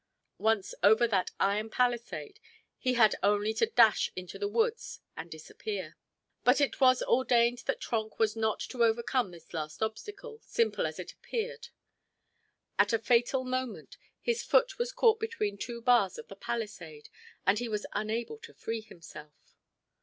Once over that iron palisade he had only to dash into the woods and disappear. But it was ordained that Trenck was not to overcome this last obstacle, simple as it appeared. At a fatal moment, his foot was caught between two bars of the palisade and he was unable to free himself.